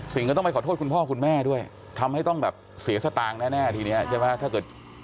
ก็ต้องไปขอโทษคุณพ่อคุณแม่ด้วยทำให้ต้องแบบเสียสตางค์แน่ทีนี้ใช่ไหมถ้าเกิด